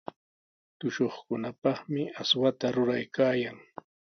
Tushuqkunapaqmi aswata ruraykaayan.